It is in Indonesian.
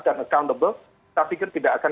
dan accountable saya pikir tidak akan